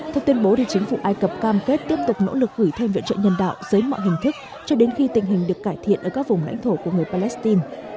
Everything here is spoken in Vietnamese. theo tuyên bố chính phủ ai cập cam kết tiếp tục nỗ lực gửi thêm viện trợ nhân đạo dưới mọi hình thức cho đến khi tình hình được cải thiện ở các vùng lãnh thổ của người palestine